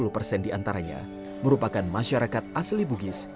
sembilan puluh persen di antaranya merupakan masyarakat asli bugis